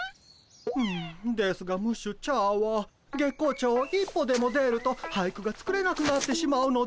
うんですがムッシュチャーは月光町を一歩でも出ると俳句が作れなくなってしまうのです。